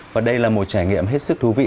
và đây là một trải nghiệm hết sức thú vị